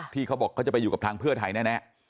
เขาบอกเขาจะไปอยู่กับทางเพื่อไทยแน่